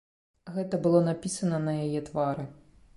Гэта было напісана на яе твары.